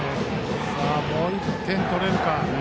もう１点取れるか。